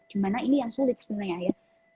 gimana ini yang sulit sebenarnya ya